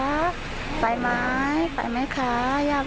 ลองไปดูบรรยากาศช่วงนั้นนะคะ